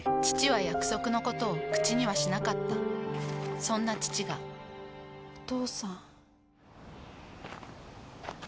父は約束のことを口にはしなかったそんな父がお父さん。